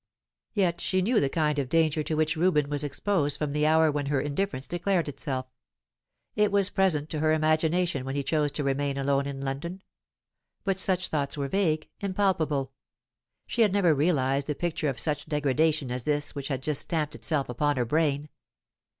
Yet she knew the kind of danger to which Reuben was exposed from the hour when her indifference declared itself; it was present to her imagination when he chose to remain alone in London. But such thoughts were vague, impalpable. She had never realized a picture of such degradation as this which had just stamped itself upon her brain.